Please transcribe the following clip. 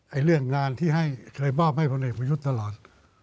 ไอ้เรื่องงานที่ให้เคยบ้าบให้พนักอีกประยุทธ์ตลอด